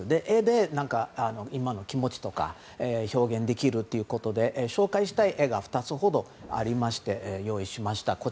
絵で今の気持ちとかを表現できるということで紹介したい絵が２つほどありまして用意しました。